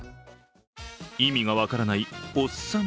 意味が分からないおっさん